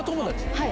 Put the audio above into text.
はい。